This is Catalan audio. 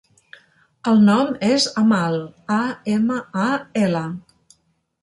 El nom és Amal: a, ema, a, ela.